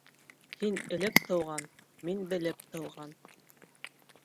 Һин элек тыуған, мин белеп тыуған.